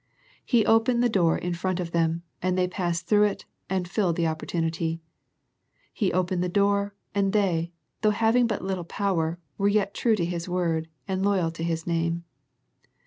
He opened the door in front of them, and they passed through it and filled the opportunity. He opened the door, and they, though having but little power, were yet true to His word, and loyal to His name.